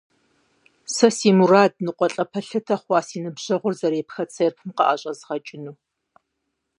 Сэ си мурадт ныкъуэлӀэ пэлъытэ хъуа си ныбжьэгъур зэрепха церпым къыӀэщӀэзгъэкӀыну.